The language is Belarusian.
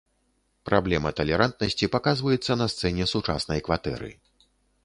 Праблема талерантнасці паказваецца на сцэне сучаснай кватэры.